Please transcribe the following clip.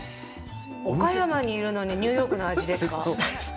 岡山にいるのにニューヨークの味ですか？